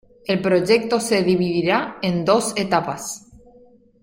El proyecto se dividirá en dos etapas.